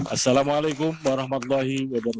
assalamu alaikum warahmatullahi wabarakatuh